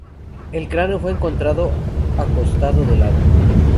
El cráneo fue encontrado acostado de lado.